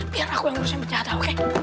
biar aku yang urusan penjahatnya oke